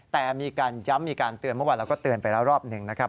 แต่มีการย้ำมีการเตือนเมื่อวานเราก็เตือนไปแล้วรอบหนึ่งนะครับ